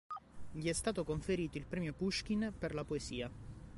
Gli è stato conferito il Premio Puškin per la Poesia.